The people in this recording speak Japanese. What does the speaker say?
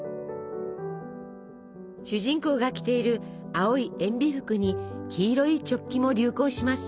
主人公が着ている青いえんび服に黄色いチョッキも流行します。